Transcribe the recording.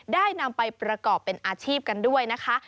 ได้นำไปประกอบเป็นอาชีพกันด้วยนะคะ